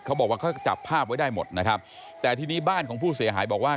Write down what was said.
เขาบอกว่าเขาจับภาพไว้ได้หมดนะครับแต่ทีนี้บ้านของผู้เสียหายบอกว่า